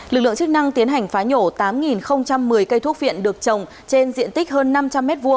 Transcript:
lực lượng chức năng tiến hành phá nhổ tám một mươi cây thuốc viện được trồng trên diện tích hơn năm trăm linh m hai